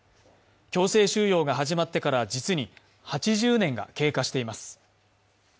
強制収容が始まってから実に８０年が経過しています。